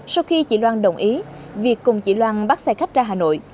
sau khi chị loan đồng ý việt cùng chị loan bắt xe khách ra hà nội